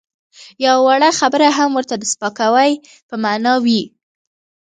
یوه وړه خبره هم ورته د سپکاوي په مانا وي.